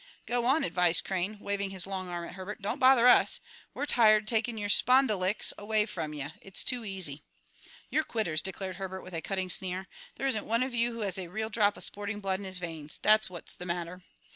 "Go on," advised Crane, waving his long arm at Herbert; "don't bother us. We're tired takin' your spondulicks away from ye; it's too easy." "You're quitters," declared Herbert with a cutting sneer. "There isn't one of you who has a real drop of sporting blood in his veins, that's what's the matter.